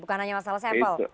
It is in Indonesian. bukan hanya masalah sampel